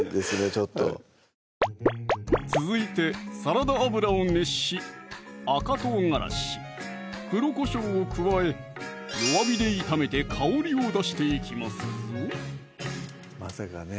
ちょっと続いてサラダ油を熱し赤唐辛子・黒こしょうを加え弱火で炒めて香りを出していきますぞまさかね